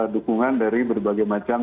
dukungan dari berbagai macam